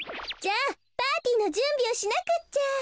じゃあパーティーのじゅんびをしなくっちゃ。